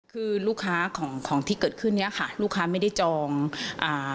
คือลูกค้าของของที่เกิดขึ้นเนี้ยค่ะลูกค้าไม่ได้จองอ่า